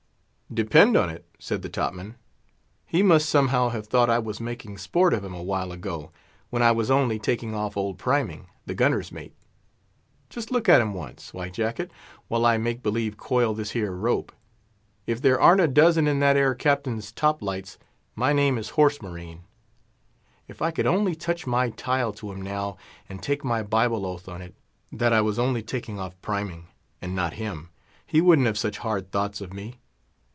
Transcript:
"Depend on it," said the top man, "he must somehow have thought I was making sport of him a while ago, when I was only taking off old Priming, the gunner's mate. Just look at him once, White Jacket, while I make believe coil this here rope; if there arn't a dozen in that 'ere Captain's top lights, my name is horse marine. If I could only touch my tile to him now, and take my Bible oath on it, that I was only taking off Priming, and not him, he wouldn't have such hard thoughts of me.